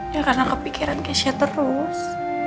ya karena kepikiran kesha terus